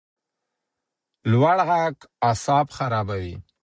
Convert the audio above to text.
لوړ غږ اعصاب خرابوي